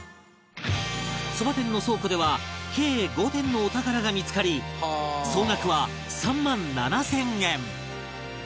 そば店の倉庫では計５点のお宝が見付かり総額は３万７０００円